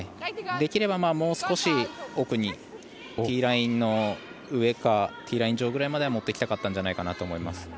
できればもう少し奥にティーラインの上かティーライン上ぐらいまでは持っていきたかったと思います。